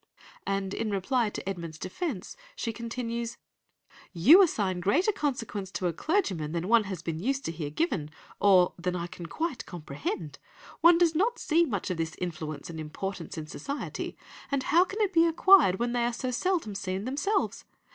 '" And in reply to Edmund's defence, she continues— "'You assign greater consequence to a clergyman than one has been used to hear given, or than I can quite comprehend. One does not see much of this influence and importance in society, and how can it be acquired where they are so seldom seen themselves?